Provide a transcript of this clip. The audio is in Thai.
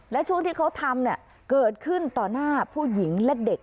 และช่วงที่เขาทำเกิดขึ้นต่อหน้าผู้หญิงและเด็ก